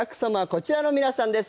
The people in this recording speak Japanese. こちらの皆さんです